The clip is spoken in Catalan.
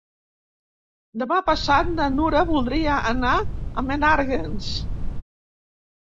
Demà passat na Nura voldria anar a Menàrguens.